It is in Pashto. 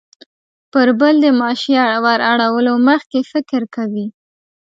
پر بل د ماشې وراړولو مخکې فکر کوي.